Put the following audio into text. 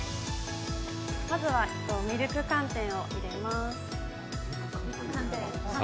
まずはミルク寒天を入れます。